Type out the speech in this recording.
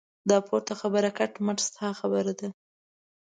دا پورته خبره کټ مټ ستا خبره ده.